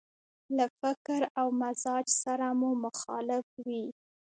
له فکر او مزاج سره مو مخالف وي.